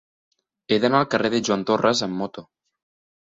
He d'anar al carrer de Joan Torras amb moto.